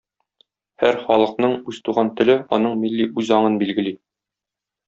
Һәр халыкның үз туган теле аның милли үзаңын билгели.